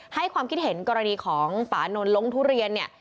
ให้ความคิดเห็นกรณีของปานนทล้งทุเรียนเนี่ย